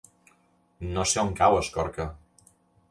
No sé on cau Escorca.